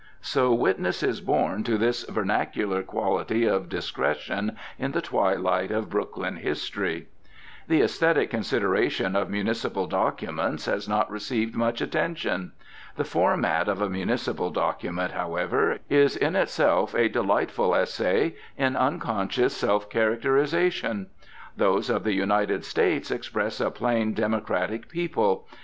So witness is borne to this vernacular quality of discretion in the twilight of Brooklyn history. The aesthetic consideration of municipal documents has not received much attention. The format of a municipal document, however, is in itself a delightful essay in unconscious self characterisation. Those of the United States express a plain democratic people.